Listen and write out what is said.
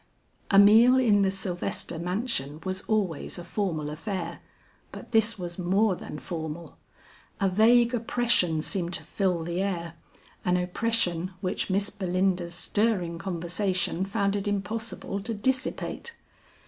A meal in the Sylvester mansion was always a formal affair, but this was more than formal. A vague oppression seemed to fill the air; an oppression which Miss Belinda's stirring conversation found it impossible to dissipate.